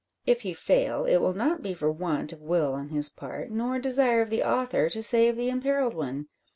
If he fail, it will not be for want of will on his part, nor desire of the author to save the imperilled one.